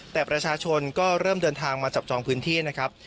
แต่ประชาชนก็เริ่มเดินทางมาจับจองพื้นที่นะครับ